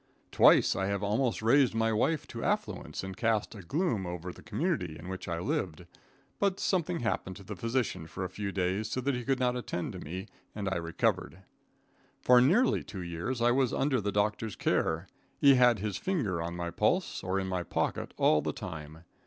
Twice I have almost raised my wife to affluence and cast a gloom over the community in which I lived, but something happened to the physician for a few days so that he could not attend to me, and I recovered. For nearly two years I was under the doctor's care. He had his finger on my pulse or in my pocket all the time.